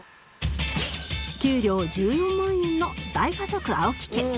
給料１４万円の大家族青木家